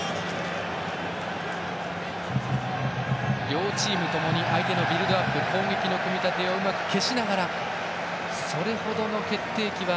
両チームともに相手のビルドアップ攻撃の組み立てをうまく消しながらそれほどの決定機は。